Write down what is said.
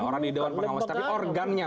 orang di dewan pengawas tapi organnya